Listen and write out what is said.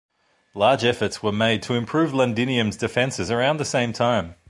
Large efforts were made to improve Londinium's defenses around the same time.